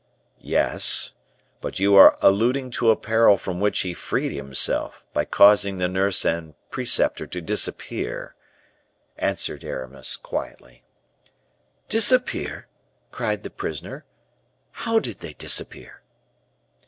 "Yes; but you are alluding to a peril from which he freed himself, by causing the nurse and preceptor to disappear," answered Aramis, quietly. "Disappear!" cried the prisoner, "how did they disappear?"